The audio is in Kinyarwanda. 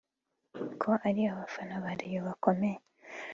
ko ari abafana ba Rayon bakomeye